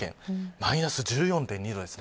マイナス１４．２度です。